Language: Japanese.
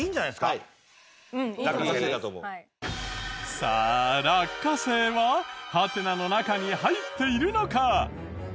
さあ落花生はハテナの中に入っているのか？